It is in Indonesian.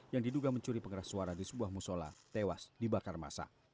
yang diduga mencuri pengeras suara di sebuah musola tewas dibakar masa